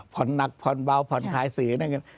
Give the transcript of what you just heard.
ผ่อนหนักผ่อนเบาผ่อนหายสื่อ